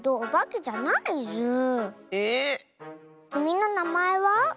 きみのなまえは？